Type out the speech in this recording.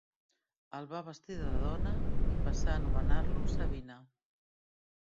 El va vestir de dona i passà a anomenar-lo Sabina.